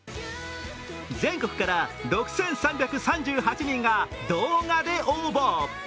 全国から６３３８人が動画で応募。